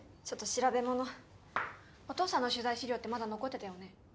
ちょっと調べ物お父さんの取材資料ってまだ残ってたよね